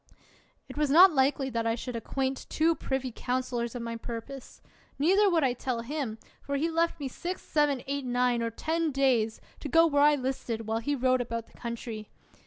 It was not likely that I should acquaint two privy counselors of my purpose; neither would I tell him, for he left me six, seven, eight, nine, or ten days, to go where I listed, while he rode about the country.